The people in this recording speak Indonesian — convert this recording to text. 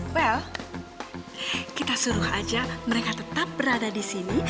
bel kita suruh aja mereka tetap berada di sini